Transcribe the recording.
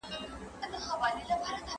¬ هر چا ته خپل وطن کشمير دئ.